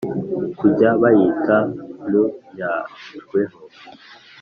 Kujya bayita Ntunyanjweho